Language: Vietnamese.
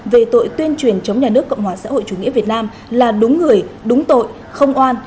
về tội tuyên truyền chống nhà nước cộng hòa xã hội chủ nghĩa việt nam là đúng người đúng tội không oan